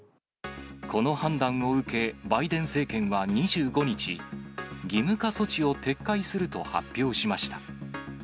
この判断を受け、バイデン政権は２５日、義務化措置を撤回すると発表しました。